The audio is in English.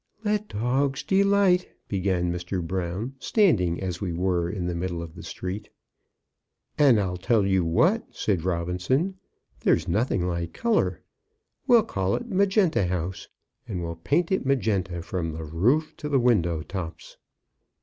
"Let dogs delight " began Mr. Brown, standing as we were in the middle of the street. "I'll tell you what," said Robinson; "there's nothing like colour. We'll call it Magenta House, and we'll paint it magenta from the roof to the window tops."